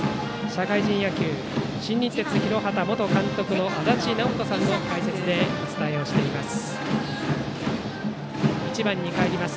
社会人野球、新日鉄広畑元監督の足達尚人さんの解説でお伝えしています。